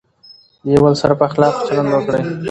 د یو بل سره په اخلاقو چلند وکړئ.